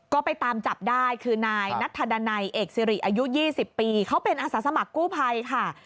ก็ไปตามจับได้คือนายนัทธดันัยเอกสิริอายุ๒๐ปีเขาเป็นอาสาสมัครกู้ภัยค่ะ